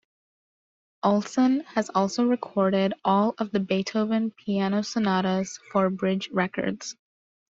Ohlsson has also recorded all of the Beethoven piano sonatas for Bridge Records.